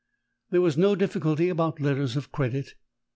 There was no difficulty about letters of credit.